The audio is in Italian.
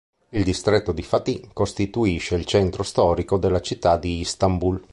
Il distretto di Fatih costituisce il centro storico della città di Istanbul.